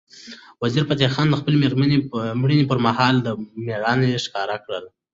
وزیرفتح خان د خپلې مړینې پر مهال مېړانه ښکاره کړه.